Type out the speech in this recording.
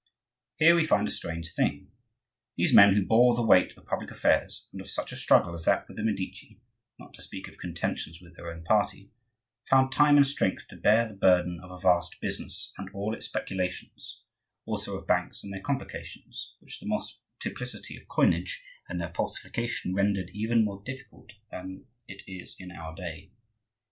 Here we find a strange thing. These men who bore the weight of public affairs and of such a struggle as that with the Medici (not to speak of contentions with their own party) found time and strength to bear the burden of a vast business and all its speculations, also of banks and their complications, which the multiplicity of coinages and their falsification rendered even more difficult than it is in our day.